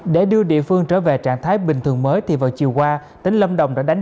để đưa địa phương trở về trạng thái bình thường mới thì vào chiều qua tỉnh lâm đồng đã đánh